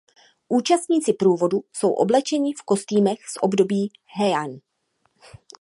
Účastníci průvodu jsou oblečeni v kostýmech z období Heian.